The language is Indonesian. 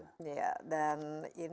ya dan ini daerah yang sangat penting